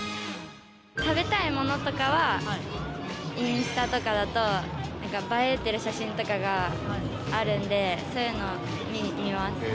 食べたいものとかはインスタとかだと映えてる写真とかがあるのでそういうのを見ます。